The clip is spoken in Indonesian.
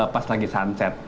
pas lagi sunset